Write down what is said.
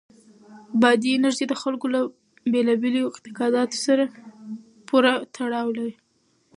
بادي انرژي د خلکو له بېلابېلو اعتقاداتو سره پوره تړاو لري.